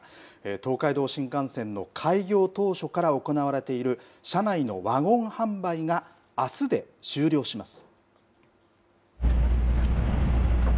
東海道新幹線の開業当初から行われている車内のワゴン販売があすで終了します。